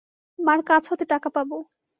মার কাছ হতে টাকা পাব।